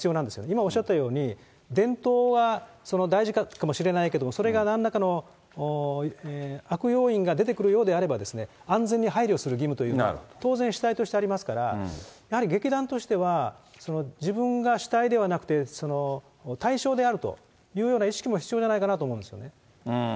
今おっしゃったように、伝統は大事かもしれないけども、それがなんらかの悪要因が出てくるようであれば、安全に配慮する義務というのは、当然主体としてありますから、やはり劇団としては、自分が主体ではなくて、対象であるというような意識も必要じゃないかなと思うんですよね。